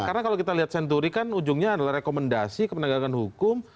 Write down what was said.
karena kalau kita lihat senduri kan ujungnya adalah rekomendasi kemenanggakan hukum